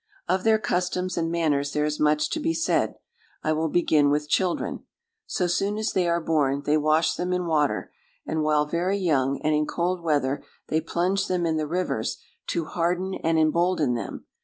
"Of their customs and manners there is much to be said: I will begin with children. So soon as they are born, they wash them in water; and while very young, and in cold weather, they plunge them in the rivers, to harden and embolden them.